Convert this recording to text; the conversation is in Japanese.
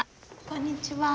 こんにちは。